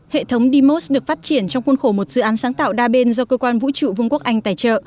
hệ thống demos được phát triển trong khuôn khổ một dự án sáng tạo đa bên do cơ quan vũ trụ vương quốc anh tài trợ